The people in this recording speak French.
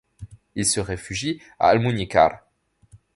Il se réfugie à Almuñécar.